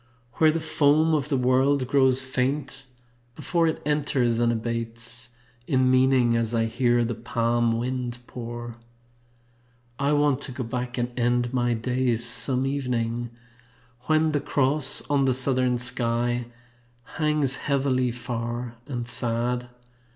Where the foam of the world grows faint before It enters, and abates In meaning as I hear the palm wind pour. I want to go back and end my days Some evening when the Cross On the southern sky hangs heavily far and sad.